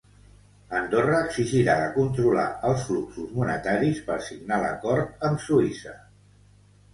Andorra exigirà de controlar els fluxos monetaris per signar l'acord amb Suïssa.